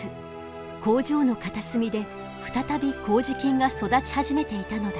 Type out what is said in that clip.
工場の片隅で再び麹菌が育ち始めていたのだ。